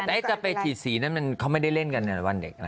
ไอ้สเปรย์ฉีดสีนั้นเขาไม่ได้เล่นกันในวันเด็ก